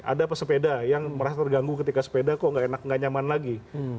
ada pesepeda yang merasa terganggu ketika sepeda kok nggak enak nggak nyaman lagi